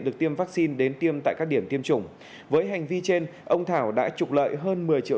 được tiêm vaccine đến tiêm tại các điểm tiêm chủng với hành vi trên ông thảo đã trục lợi hơn một mươi triệu